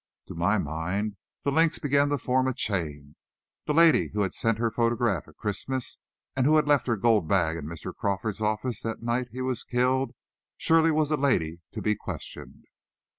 To my mind the links began to form a chain; the lady who had sent her photograph at Christmas, and who had left her gold bag in Mr. Crawford's office the night he was killed, surely was a lady to be questioned.